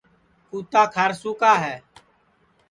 کُوتا کھارسو کا ہے